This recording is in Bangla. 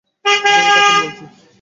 দূরে থাকুন বলছি, ড্রেটন!